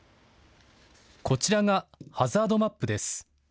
こちらがハザードマップです。